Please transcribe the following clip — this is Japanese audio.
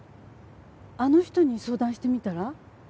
あの人に相談してみたら？